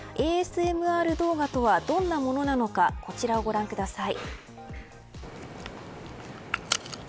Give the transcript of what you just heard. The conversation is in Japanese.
ＡＳＭＲ動画とはどんなものなのかこちらをご覧ください。